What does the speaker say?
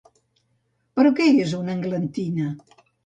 Però què és, una englantina?